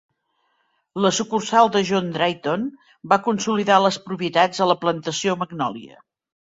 La sucursal de John Drayton va consolidar les propietats a la Plantació Magnolia.